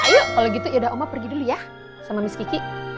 iya kalau gitu ya udah oma pergi dulu ya sama miss kiki